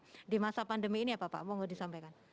pada pandemi ini ya pak mau disampaikan